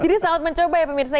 jadi selalu mencoba ya pemirsa